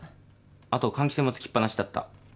あと換気扇もつきっ放しだった。